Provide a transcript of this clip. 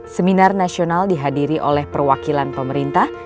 seminar nasional dihadiri oleh perwakilan pemerintah